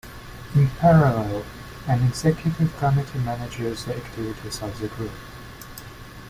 In parallel, an Executive committee manages the activities of the group.